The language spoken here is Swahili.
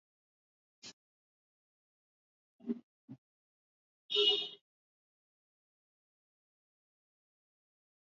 Idhaa ya Kiswahili ya Sauti ya Amerika ilizindua matangazo ya moja kwa moja kutoka studio zake mjini Washington.